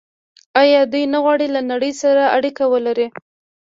آیا دوی نه غواړي له نړۍ سره اړیکه ولري؟